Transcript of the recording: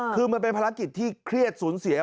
คือมันเป็นภารกิจที่เครียดสูญเสีย